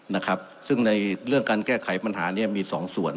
นะครับซึ่งในเรื่องการแก้ไขปัญหาเนี้ยมีสองส่วน